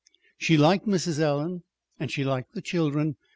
She liked Mrs. Allen, and she liked the children.